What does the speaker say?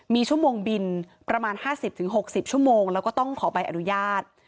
มีชั่วโมงบินประมาณ๕๐๖๐ชั่วโมงแล้วก็ต้องขอใบอนุญาต